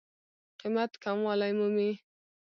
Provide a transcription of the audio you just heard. قېمت کموالی مومي.